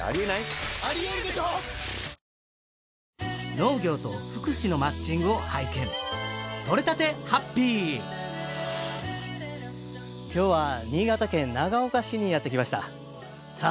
農業と福祉のマッチングを拝見今日は新潟県長岡市にやってきましたさあ